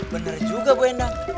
bener juga bu endang